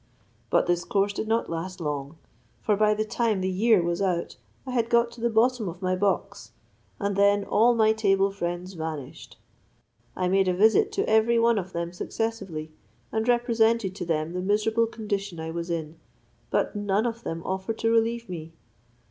But this course did not last long; for by the time the year was out, I had got to the bottom of my box, and then all my table friends vanished. I made a visit to every one of them successively, and represented to them the miserable condition I was in, but none of them offered to relieve me.